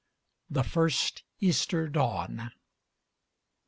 THE FIRST EASTER DAWN.